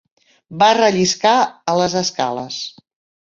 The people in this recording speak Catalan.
Va relliscar a les escales.